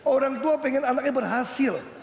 orang tua pengen anaknya berhasil